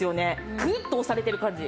グイッと押されてる感じ。